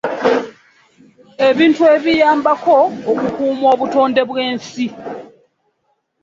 Ebintu ebiyambako okukuuma obutonde bw'ensi.